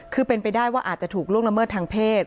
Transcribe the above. คือเป็นไปได้ว่าอาจจะถูกล่วงละเมิดทางเพศ